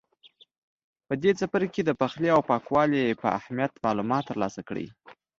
په دې څپرکي کې د پخلي او پاکوالي په اهمیت معلومات ترلاسه کړئ.